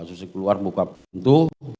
susi keluar buka pintu